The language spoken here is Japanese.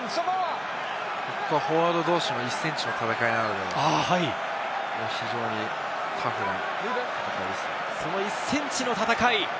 フォワード同士の１ｃｍの戦いなので、非常にタフな状況ですね。